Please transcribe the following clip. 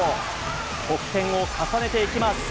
得点を重ねていきます。